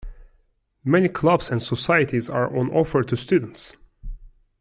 Many clubs and societies are on offer to students.